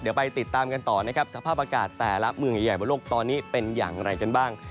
เดี๋ยวไปติดตามกันต่อนะครับสภาพอากาศแต่ละเมืองใหญ่บนโลกตอนนี้เป็นอย่างไรกันบ้าง